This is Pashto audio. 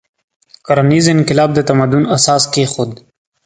کرنیز انقلاب د تمدن اساس کېښود.